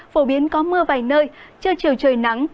phổ biến có mưa vài nơi trưa chiều trời nắng